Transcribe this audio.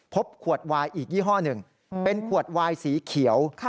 พบขวดวายอีกยี่ห้อหนึ่งเป็นขวดวายสีเขียว